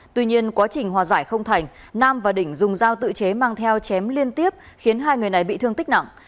tuy nhiên quá trình hòa giải không thành nam và đỉnh dùng dao tự chế mang theo chém liên tiếp khiến hai người này bị thương tích nặng